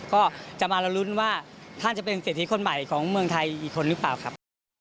ก็จะมาเรารุ้นว่าท่านจะเป็นเศรษฐีคนใหม่ของเมืองไทยอีกคนหรือเปล่าครับ